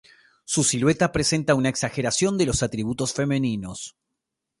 Su silueta presenta una exageración de los atributos femeninos.